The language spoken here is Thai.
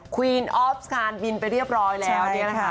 ควีนออฟการบินไปเรียบร้อยแล้วเนี่ยนะคะ